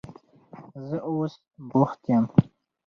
زه اوس بوخت یم.